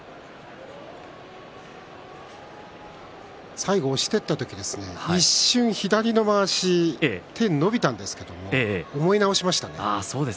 最後、押していった時に一瞬、左のまわし手が伸びたんですけれども思い直しましたね。